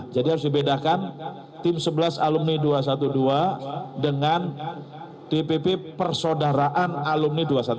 jadi harus dibedakan tim sebelas alumni dua ratus dua belas dengan dpp persodaraan alumni dua ratus dua belas